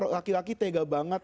laki laki tega banget